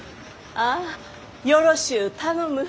ああよろしゅう頼む。